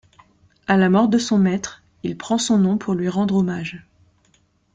À la mort de son maître, il prend son nom pour lui rendre hommage.